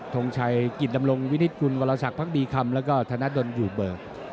ทงชัยกิจดำรงวินิตกุลวรสักพักดีคำแล้วก็ธนดลอยู่เบิก